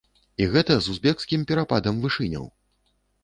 І гэта з узбекскім перападам вышыняў!